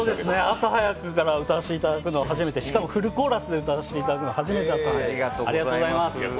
朝早くから歌わせていただくのは初めて、しかもフルコーラスで歌わせていただくのは初めてだったんでありがとうございます。